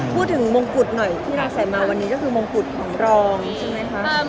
พูดถึงมงกุฏหน่อยที่เราใส่มาวันนี้ก็คือมงกุฏของรองจริงไหมคะ